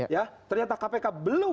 ya ternyata kpk belum